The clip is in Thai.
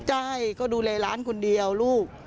ใช่ก็ดูแลร้านคนเดียวลูก